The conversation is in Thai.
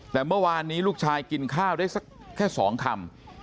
แต่เมื่อวานนี้ลูกชายกินข้าวได้สักแค่๒คำ